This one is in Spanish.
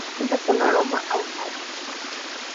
Se presenta con aroma ahumado.